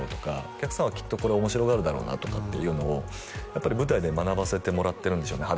お客さんはきっとこれ面白がるだろうなとかっていうのをやっぱり舞台で学ばせてもらってるんでしょうね